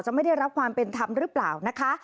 ไม่ได้รับความเป็นธรรมหรือเปล่านะคะ